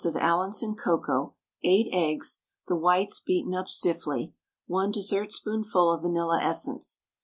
of Allinson cocoa, 8 eggs, the whites beaten up stiffly, 1 dessertspoonful of vanilla essence.